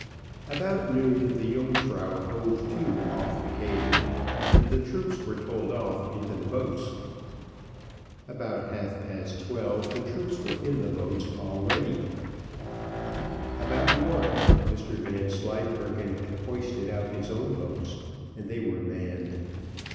About noon the Yungfrau hove to off the cave, and the troops were told off into the boats. About half past twelve the troops were in the boats all ready. About one Mr Vanslyperken had hoisted out his own boats, and they were manned.